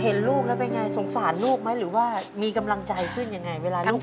เห็นลูกแล้วเป็นไงสงสารลูกไหมหรือว่ามีกำลังใจขึ้นยังไงเวลาลูก